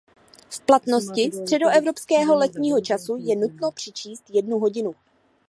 V platnosti středoevropského letního času je nutno přičíst jednu hodinu.